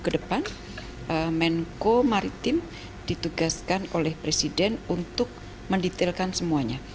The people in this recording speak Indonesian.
kedepan menko maritim ditugaskan oleh presiden untuk mendetailkan semuanya